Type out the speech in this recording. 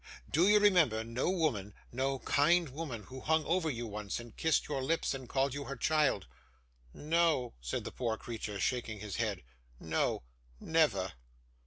Do you remember no woman, no kind woman, who hung over you once, and kissed your lips, and called you her child?' 'No,' said the poor creature, shaking his head, 'no, never.